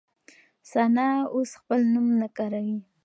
ثنا اوس خپل نوم نه کاروي.